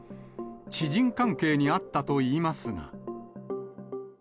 知人関係にあったといいますが。